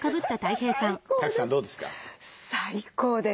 最高です。